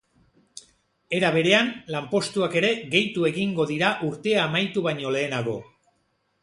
Era berean, lanpostuak ere gehitu egingo dira urtea amaitu baino lehenago.